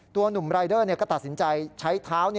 หนุ่มรายเดอร์ก็ตัดสินใจใช้เท้า